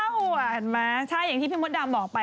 แม่เล่าอ่ะเห็นมั้ยใช่อย่างที่พี่มดดำบอกไป